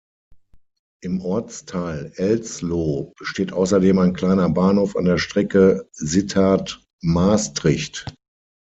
Im Ortsteil Elsloo besteht außerdem ein kleiner Bahnhof an der Strecke Sittard–Maastricht.